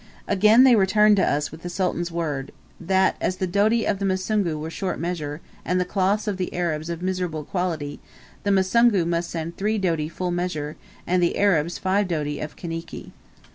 Again they returned to us with the Sultan's words, "That, as the doti of the Musungu were short measure, and the cloths of the Arabs of miserable quality, the Musungu must send three doti full measure, and the Arabs five doti of Kaniki."